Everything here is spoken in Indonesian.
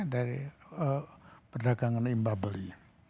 dari perdagangan imba beli